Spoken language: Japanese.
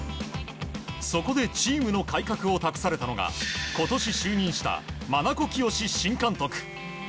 そこでチームの改革を託されたのが今年、就任した真名子圭新監督。